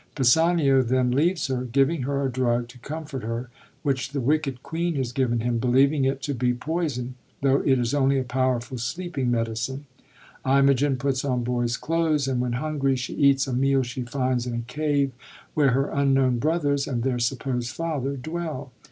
Pisanio then leaves her, giving her a drug to comfort her, which the wicked queen has given him, believing it to be poison, tho' it is only a powerful sleeping medicine. Imogen puts on boy's clothes; and when hungry she eats a meal she finds in a cave where her unknown brothers and their supposed father dwell.